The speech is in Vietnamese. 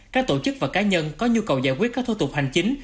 các tổ chức và cá nhân có nhu cầu giải quyết các thô tục hành chính